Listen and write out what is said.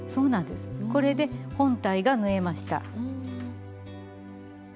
これで本体が縫えました。